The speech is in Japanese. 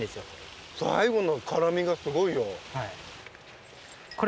最後の辛みがすごいよ。